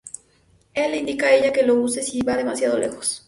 Él le indica a ella que lo use si va demasiado lejos.